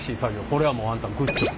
これはもうあんたグッジョブ！